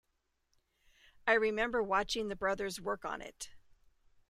I remember watching the brothers work on it.